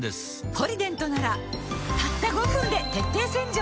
「ポリデント」ならたった５分で徹底洗浄